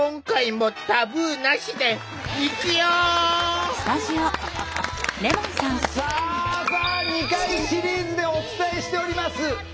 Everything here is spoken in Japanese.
２回シリーズでお伝えしております